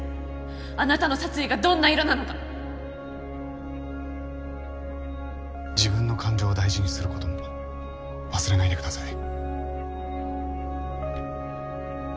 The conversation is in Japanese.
あなたの殺意がどんな色なのか自分の感情を大事にすることも忘れないでください。